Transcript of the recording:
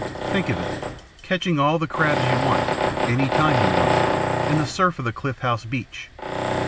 Think of it catching all the crabs you want, any time you want, in the surf of the Cliff House beach!"